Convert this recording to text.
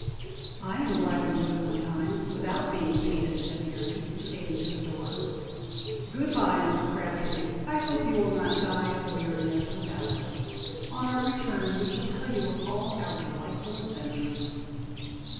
"I am black and blue sometimes, without being painted," said Harry, escaping to the door. "Good bye, Mrs. Crabtree! I hope you will not die of weariness without us! On our return we shall tell you all our delightful adventures."